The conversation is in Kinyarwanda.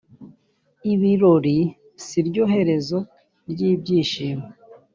ibirori siryo herezo ryibyishimo.